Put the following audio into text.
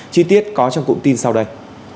chi tiết có trong cụm tin sau đây